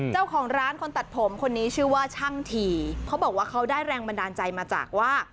เจ้าของร้านคนตัดผมคนนี้ชื่อว่าช่างถี่เขาบอกว่าเขาได้แรงบันดาลใจมาจากว่า